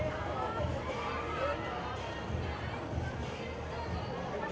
แข็งแรก